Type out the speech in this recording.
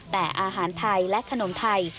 แต่อาหารไทยและขนมไทย